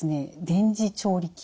電磁調理器。